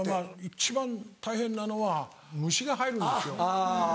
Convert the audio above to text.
一番大変なのは虫が入るんですよ。